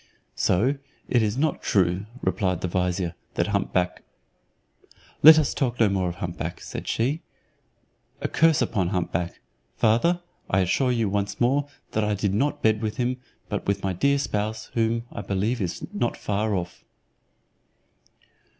"So, it is not true," replied the vizier, "that hump back " "Let us talk no more of hump back," said she, "a curse upon hump back. Father, I assure you once more, that I did not bed with him, but with my dear spouse, who, I believe, is not far off."